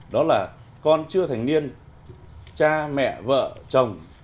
đó là con chưa thành niên cha mẹ vợ chồng